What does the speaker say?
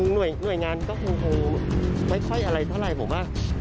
งานคงไม่ค่อยอะไรเท่าไหร่ผมว่า